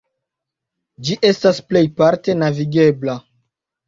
Ĝi estas plejparte navigebla.